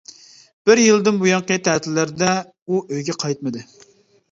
بىر يىلدىن بۇيانقى تەتىللەردە ئۇ ئۆيىگە قايتمىدى.